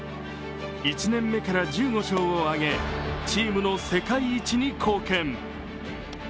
１年目から１５勝を挙げチームの世界一に貢献。